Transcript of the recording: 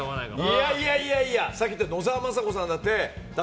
さっき言った野沢雅子さんだって。